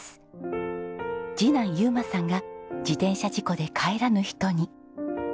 次男祐真さんが自転車事故で帰らぬ人に。